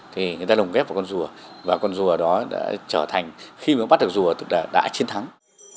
thì người ta đồng ghép vào con rùa và con rùa đó đã trở thành khi mới bắt được rùa đã chiến thắng